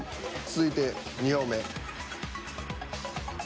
続いて２票目。